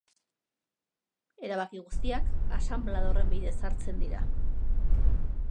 Erabaki guztiak Asanblada horren bidez hartzen dira.